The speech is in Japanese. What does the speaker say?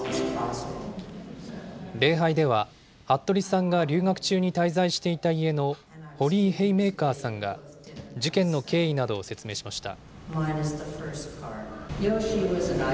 礼拝では、服部さんが留学中に滞在していた家のホリー・ヘイメーカーさんが、事件の経緯などを説明しました。